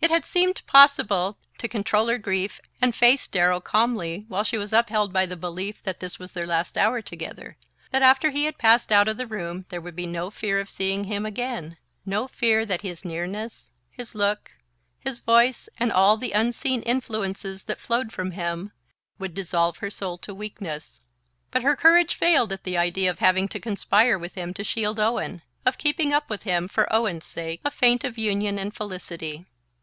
It had seemed possible to control her grief and face Darrow calmly while she was upheld by the belief that this was their last hour together, that after he had passed out of the room there would be no fear of seeing him again, no fear that his nearness, his look, his voice, and all the unseen influences that flowed from him, would dissolve her soul to weakness. But her courage failed at the idea of having to conspire with him to shield Owen, of keeping up with him, for Owen's sake, a feint of union and felicity.